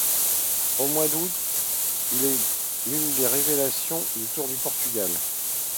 Au mois d'août, il est l'une des révélations du Tour du Portugal.